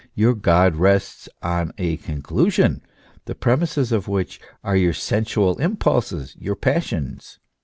Your God rests on a conclu sion, the premisses of which are your sensual impulses, your passions.